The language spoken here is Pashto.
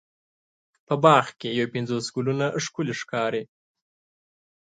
په باغ کې یو پنځوس ګلونه ښکلې ښکاري.